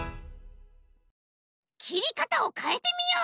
きりかたをかえてみよう！